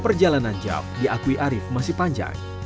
perjalanan jav diakui arief masih panjang